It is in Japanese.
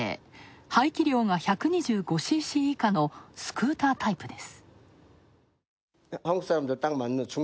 排気量が１２５ｃｃ以下のスクータータイプです。